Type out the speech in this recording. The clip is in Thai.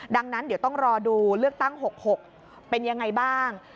ดังนั้นเดี๋ยวต้องรอดูเลือกตั้ง๖๖เป็นยังไงบ้าง